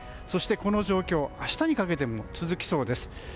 そして、この状況は明日にかけても続きそうです。